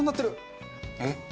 えっ？